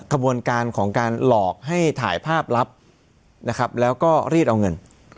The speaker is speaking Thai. ขบวนการของการหลอกให้ถ่ายภาพลับนะครับแล้วก็รีดเอาเงิน